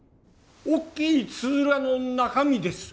大きいつづらの中身です。